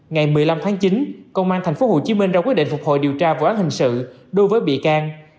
ngày một mươi năm tháng chín công an tp hcm ra quyết định phục hồi điều tra vụ án hình sự đối với bị can